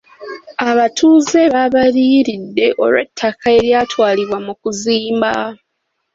Abatuuze baabaliyiridde olw'ettaka eryatwalibwa mu kuzimba.